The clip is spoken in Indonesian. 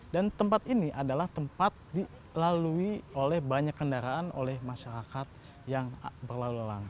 dan tempat ini adalah tempat dilalui oleh banyak kendaraan oleh masyarakat yang berlalu lalang